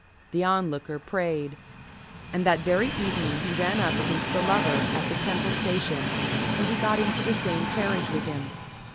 The Onlooker prayed. And that very evening he ran up against the Lover at the Temple Station, and he got into the same carriage with him.